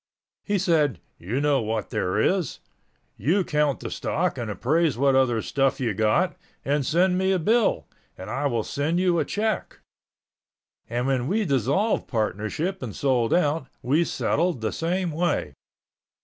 He said, "You know what there is. You count the stock and appraise what other stuff you got, and send me a bill, and I will send you a check." And when we dissolved partnership and sold out, we settled the same way.